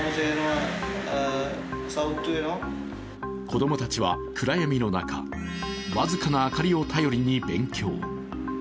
子供たちは暗闇の中、僅かな明かりを頼りに勉強。